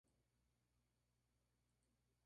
Es originario de la localidad de Birmingham, Míchigan.